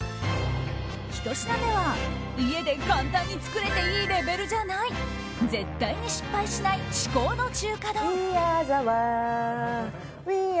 ひと品目は、家で簡単に作れていいレベルじゃない絶対に失敗しない至高の中華丼。